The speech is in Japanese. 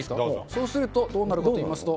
そうするとどうなるかといいますと。